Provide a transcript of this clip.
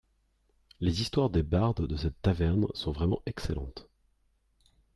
Les histoires des bardes de cette taverne sont vraiment excellentes.